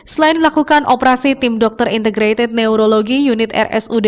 selain melakukan operasi tim dokter integrated neurologi unit rsud